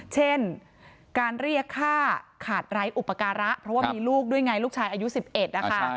เช่นการเรียกค่าขาดไร้อุปการะเพราะว่ามีลูกด้วยไงลูกชายอายุ๑๑นะคะ